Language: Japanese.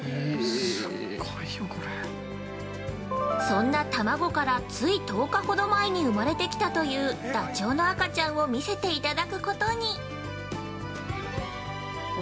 ◆そんな卵から、つい１０日ほど前に生まれてきたというダチョウの赤ちゃんを見せていただくことに。